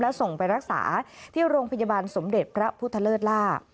ส่งไปรักษาที่โรงพยาบาลสมเด็จพระพุทธเลิศล่า